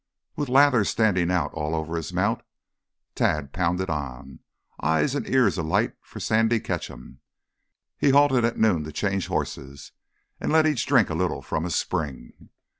With lather standing out all over his mount, Tad pounded on, eyes and ears alight for Sandy Ketcham. He halted at noon to change horses and let each drink a little from a spring.